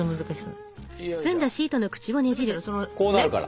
こうなるから。